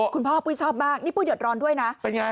พ่อปุ้ยชอบมากนี่ปุ้ยเดือดร้อนด้วยนะเป็นไง